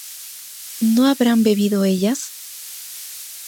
¿no habrán bebido ellas?